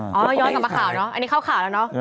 เป็นการกระตุ้นการไหลเวียนของเลือด